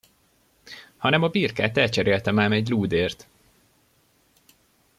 Hanem a birkát elcseréltem ám egy lúdért!